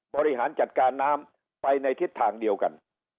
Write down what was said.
บริหารจัดการน้ำไปในทิศทางเดียวกัน